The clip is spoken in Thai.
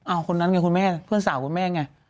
คนนั้นไงคุณแม่เพื่อนสาวคุณแม่ไง